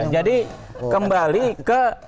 jadi kembali ke